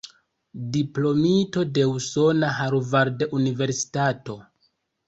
Diplomito de usona Harvard-universitato.